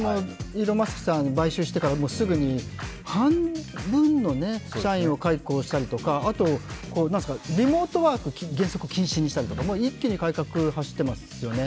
イーロン・マスクさんが買収してからすぐに半分の社員を解雇したりとか、あとリモートワーク、原則禁止にしたりとか一気に改革に走ってますよね。